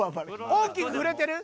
大きく振れてる？